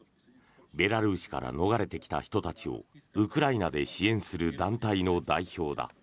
ベラルーシから逃れてきた人たちをウクライナで支援する団体の代表だ。